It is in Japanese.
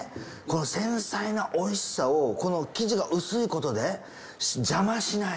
繊細なおいしさをこの生地が薄いことで邪魔しない。